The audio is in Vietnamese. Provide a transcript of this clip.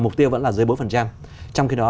mục tiêu vẫn là dưới bốn trong khi đó